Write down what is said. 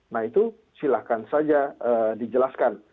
nah itu silahkan saja dijelaskan